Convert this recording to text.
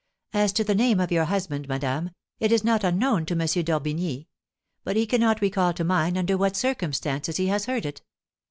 As to the name of your husband, madame, it is not unknown to M. d'Orbigny; but he cannot recall to mind under what circumstances he has heard it.